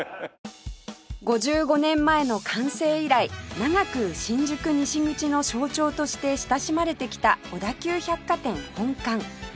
５５年前の完成以来長く新宿西口の象徴として親しまれてきた小田急百貨店本館